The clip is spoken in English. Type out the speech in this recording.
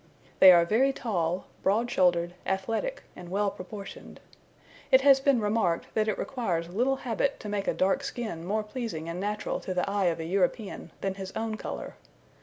They are very tall, broad shouldered, athletic, and well proportioned. It has been remarked, that it requires little habit to make a dark skin more pleasing and natural to the eye of an European than his own colour.